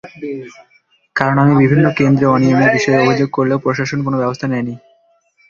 কারণ, আমি বিভিন্ন কেন্দ্রে অনিয়মের বিষয়ে অভিযোগ করলেও প্রশাসন কোনো ব্যবস্থা নেয়নি।